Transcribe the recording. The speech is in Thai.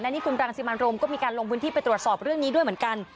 นี่คุณรังสิมันโรมก็มีการลงพื้นที่ไปตรวจสอบเรื่องนี้ด้วยเหมือนกัน